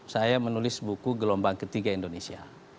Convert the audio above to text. saya menulis buku gelombang ketiga indonesia